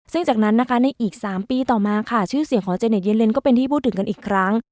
ซึ่งจากนั้นนะคะในอีก๓ปีต่อมาค่ะชื่อเสียงของเจเน็ตเยเลนก็เป็นที่พูดถึงกันอีกครั้ง